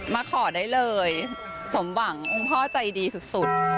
มาขอได้เลยสมบังห่วงพ่อใจดีสุด